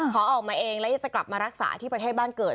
ขอออกมาเองแล้วจะกลับมารักษาที่ประเทศบ้านเกิด